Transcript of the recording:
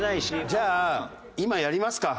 じゃあ今やりますか！